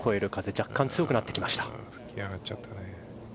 若干、強くなってきました。